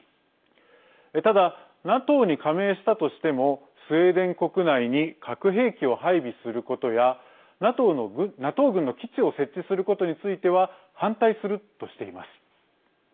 ただＮＡＴＯに加盟したとしてもスウェーデン国内に核兵器を配備することやＮＡＴＯ軍の基地を設置することについては反対するとしています。